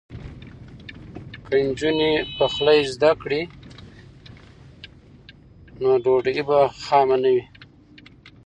که نجونې پخلی زده کړي نو ډوډۍ به خامه نه وي.